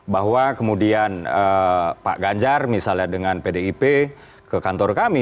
bahwa kemudian pak ganjar misalnya dengan pdip ke kantor kami